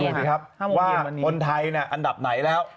ดูสิครับว่าคนไทยอันดับไหนแล้ว